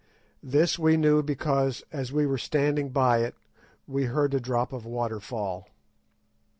This we knew because, as we were standing by it, we heard a drop of water fall.